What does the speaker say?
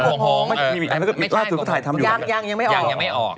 แล้วก็ราสุรก็ถ่ายทำอยู่ยังยังไม่ออก